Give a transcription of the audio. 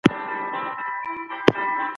محمود ژمنه وکړه چې د پاچا سلا به رعایت کړي.